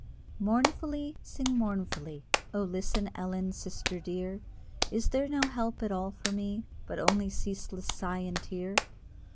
Mournfully, sing mournfully "O listen, Ellen, sister dear: Is there no help at all for me, But only ceaseless sigh and tear?